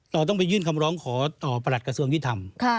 เราต้องไปยื่นคำร้องขอต่อประหลัดกระทรวงยุทธรรม